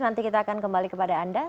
nanti kita akan kembali kepada anda